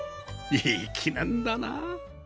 いい記念だな